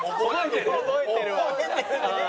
覚えてるわ。